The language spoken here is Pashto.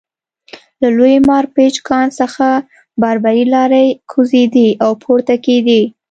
له لوی مارپیچ کان څخه باربري لارۍ کوزېدې او پورته کېدې